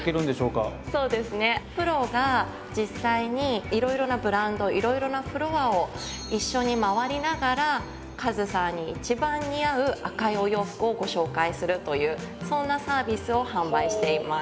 プロが実際にいろいろなブランドいろいろなフロアを一緒にまわりながらＫＡＺＵさんに一番似合う赤いお洋服をご紹介するというそんなサービスを販売しています。